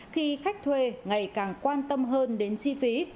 khi khách thuê ngày càng quan tâm hơn đến chi phí